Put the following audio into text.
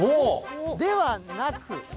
ではなく。